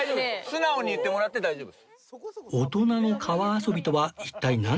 素直に言ってもらって大丈夫です。